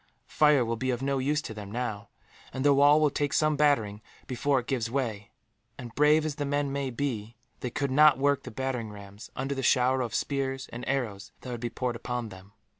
Fire will be of no use to them, now; and the wall will take some battering before it gives way and, brave as the men may be, they could not work the battering rams under the shower of spears and arrows that would be poured upon them.